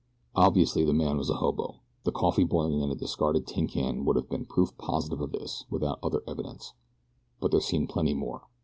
Obviously the man was a hobo. The coffee boiling in a discarded tin can would have been proof positive of this without other evidence; but there seemed plenty more.